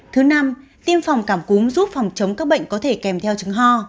thứ năm tiêm phòng cảm cúm giúp phòng chống các bệnh có thể kèm theo chứng ho